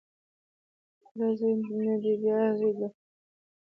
د تره زوی نه دی بیا زوی د خره دی